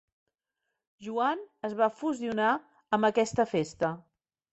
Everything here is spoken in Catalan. Joan es va fusionar amb aquesta festa.